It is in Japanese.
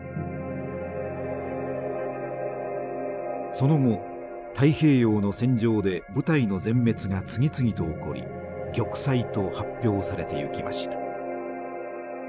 その後太平洋の戦場で部隊の全滅が次々と起こり玉砕と発表されていきました。